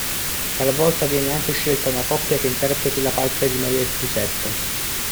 Talvolta viene anche scelta una coppia che interpreti la parte di Maria e Giuseppe.